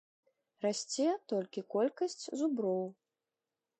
Расце толькі колькасць зуброў.